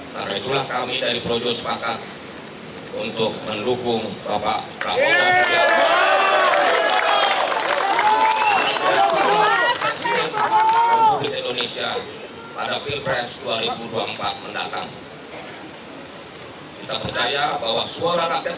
karena itulah kami dari projo sepakat untuk mendukung bapak prabowo